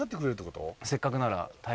せっかくなら。